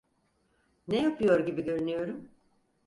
Ne yapıyor gibi görünüyorum?